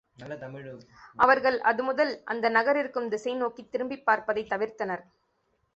அவர்கள் அது முதல் அந்த நகர் இருக்கும் திசை நோக்கித் திரும்பிப் பார்ப்பதைத் தவிர்த்தனர்.